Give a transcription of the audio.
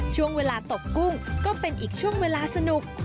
ช่วงเวลาตกกุ้งก็เป็นอีกช่วงเวลาสนุก